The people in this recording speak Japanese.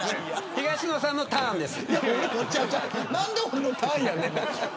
東野さんのターンです。